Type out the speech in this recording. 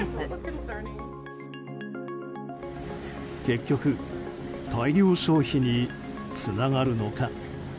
結局大量消費につながるのか？